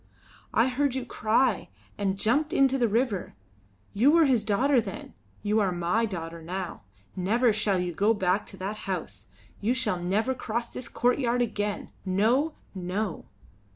I heard you cry and jumped into the river. You were his daughter then; you are my daughter now. Never shall you go back to that house; you shall never cross this courtyard again. No! no!"